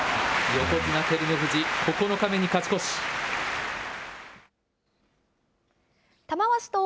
横綱・照ノ富士、９日目に勝ち越し。